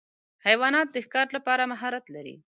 حیوانات د ښکار لپاره مهارت لري.